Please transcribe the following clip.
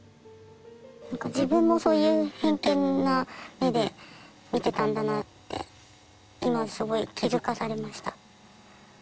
自分もそういう偏見な目で見てたんだなって今すごい気付かされました。